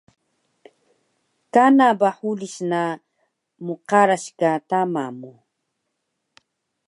Kana ba hulis na mqaras ka tama mu